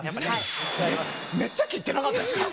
めっちゃ切ってなかったですか？